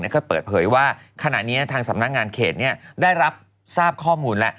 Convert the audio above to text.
ก็เปิดเผยว่าขณะนี้ทางสำนักงานเขตได้รับทราบข้อมูลแล้ว